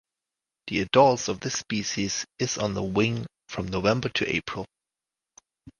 The adults of this species is on the wing from November to April.